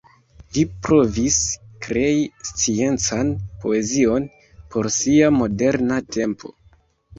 Li provis krei sciencan poezion por sia moderna tempo.